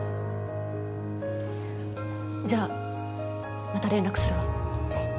じゃあまた連絡するね。